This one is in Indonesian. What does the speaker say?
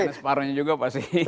karena separohnya juga pasti